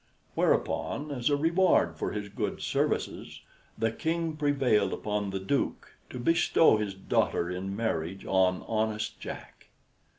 Whereupon, as a reward for his good services, the King prevailed upon the duke to bestow his daughter in marriage on honest Jack.